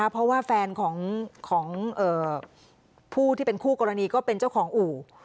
เพราะว่าแฟนของผู้ที่เป็นคู่กรณีก็เป็นเจ้าของอู่